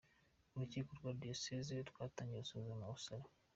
Urukiko rwa Diyoseze rwatangiye gusuzuma ubusabe .